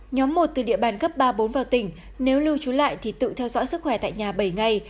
nhóm một từ địa bàn cấp ba bốn vào tỉnh nếu lưu trú lại thì tự theo dõi sức khỏe tại nhà bảy ngày